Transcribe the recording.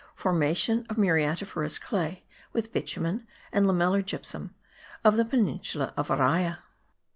FORMATION OF MURIATIFEROUS CLAY (WITH BITUMEN AND LAMELLAR GYPSUM) OF THE PENINSULA OF ARAYA.